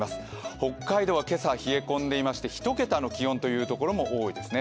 北海道は今朝冷え込んでいまして、１桁の気温というところも多いですね。